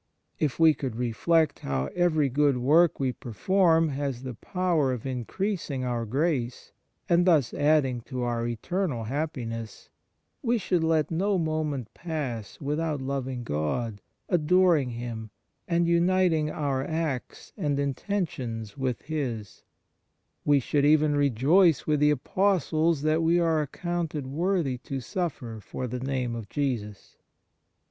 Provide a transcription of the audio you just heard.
If we could reflect how every good work we perform has the power of increasing our grace, and thus adding to our eternal happiness, we should let no moment pass without loving God, adoring Him, and uniting our acts and intentions with His ; we should even rejoice with the Apostles that we are accounted worthy to suffer for the Name of Jesus.